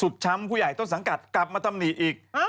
แล้วก็กลับมาตำหนีอีก